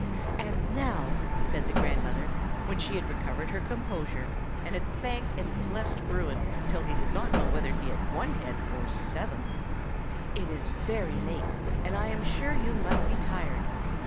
"And now," said the grandmother, when she had recovered her composure, and had thanked and blessed Bruin till he did not know whether he had one head or seven, "it is very late, and I am sure you must be tired.